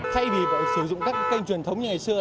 thay vì sử dụng các kênh truyền thống như ngày xưa